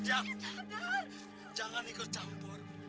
jangan ikut campur